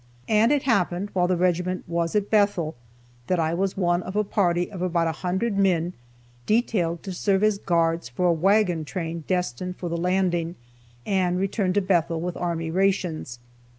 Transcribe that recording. And it happened, while the regiment was at Bethel, that I was one of a party of about a hundred men detailed to serve as guards for a wagon train destined for the Landing, and, return to Bethel with army rations.